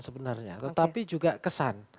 sebenarnya tetapi juga kesan